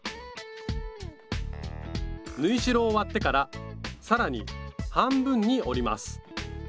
縫い代を割ってから更に半分に折ります